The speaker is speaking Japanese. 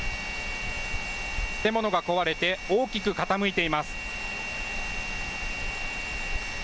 建物が壊れて大きく傾いています。